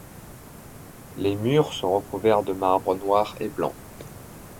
Les murs sont recouverts de marbre noir et blanc.